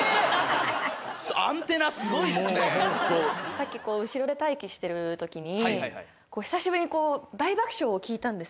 さっき後ろで待機してるときに久しぶりに大爆笑を聞いたんです。